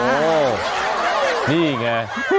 โอ้โหนี่ไง